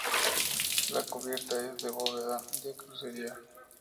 La cubierta es de bóveda de crucería.